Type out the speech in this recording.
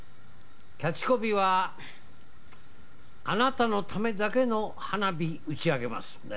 キャッチコピーは「あなたのためだけの花火打ち上げます」。